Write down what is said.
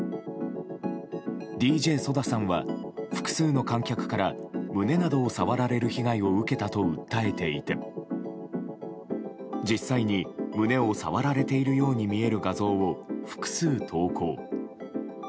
ＤＪＳＯＤＡさんは複数の観客から胸などを触られる被害を受けたと訴えていて実際に胸を触られているように見える画像を複数投稿。